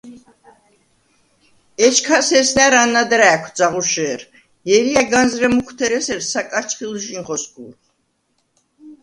ეჩქას ესნა̈რ ანად რა̄̈ქვ, ძაღუშე̄რ: ჲელია̈ განზრე მუქვთერ ესერ საკარცხვილჟი̄ნ ხოსგურხ.